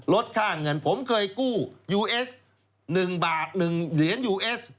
ลดค่าเงินผมเคยกู้ยูเอส๑บาท๑เหรียญยูเอส